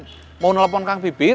yaudah mau nelpon kang pipit